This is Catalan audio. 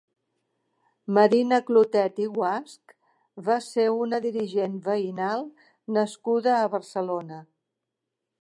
Marina Clotet i Guasch va ser una dirigent veïnal nascuda a Barcelona.